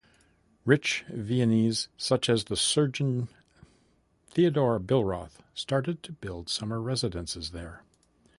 Rich Viennese, such as the surgeon Theodor Billroth, started to build summer residences there.